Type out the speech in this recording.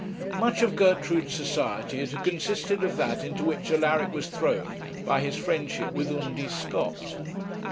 Much of Gertrude's society had consisted of that into which Alaric was thrown by his friendship with Undy Scott.